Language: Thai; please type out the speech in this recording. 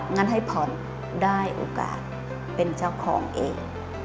งั้นให้ผ่อนได้โอกาสเป็นเจ้าของเอง